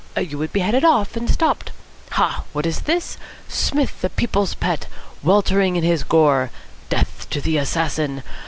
You would be headed off and stopped. Ha! What is this? Psmith, the People's Pet, weltering in his gore? Death to the assassin!